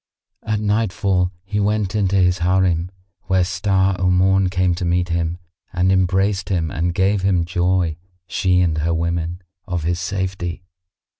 At nightfall he went in to his Harim, where Star o' Morn came to meet him and embraced him and gave him joy, she and her women, of his safety.